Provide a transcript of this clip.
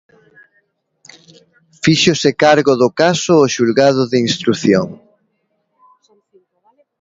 Fíxose cargo do caso o Xulgado de Instrución.